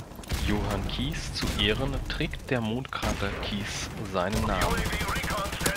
Johann Kies zu Ehren trägt der Mondkrater Kies seinen Namen.